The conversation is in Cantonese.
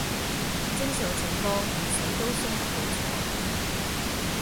正常情況唔死都傷得好重